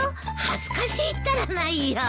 恥ずかしいったらないよ。